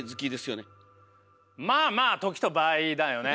まあまあ時と場合だよね。